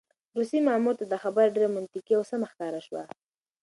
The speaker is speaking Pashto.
روسي مامور ته دا خبره ډېره منطقي او سمه ښکاره شوه.